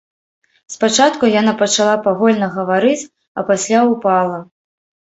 Спачатку яна пачала павольна гаварыць, а пасля ўпала.